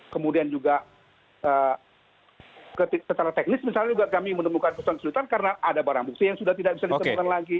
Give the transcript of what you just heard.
kemudian juga secara teknis misalnya juga kami menemukan kesulitan kesulitan karena ada barang bukti yang sudah tidak bisa ditemukan lagi